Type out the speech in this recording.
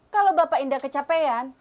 kalau bapak nggak kecapean